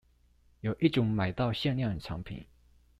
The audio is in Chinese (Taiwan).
有一種買到限量商品